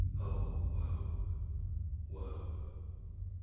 Oh, woe! Woe!